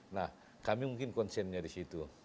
nah kami mungkin konsen dari situ